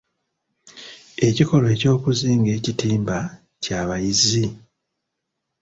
Ekikolwa eky'okuzinga ekitimba ky'abayizzi?